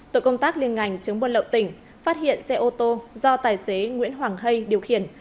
tội công tác liên ngành chống buôn lậu tỉnh phát hiện xe ô tô do tài xế nguyễn hoàng hay điều khiển